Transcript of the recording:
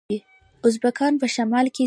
ازبکان په شمال کې څه کوي؟